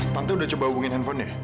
tante sudah coba hubungi handphonenya